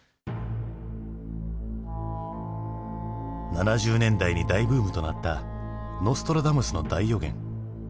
７０年代に大ブームとなった「ノストラダムスの大予言」。